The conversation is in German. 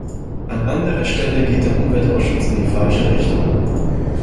An anderer Stelle geht der Umweltausschuss in die falsche Richtung.